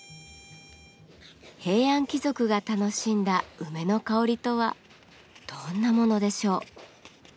平安貴族が楽しんだ梅の香りとはどんなものでしょう。